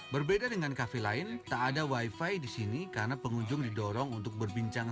berbeda dengan kafe lain tak ada wifi di sini karena pengunjung didorong untuk berbincang